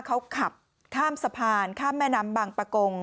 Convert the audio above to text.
เขาขับข้ามสะพานข้ามแม่น้ำบางประกง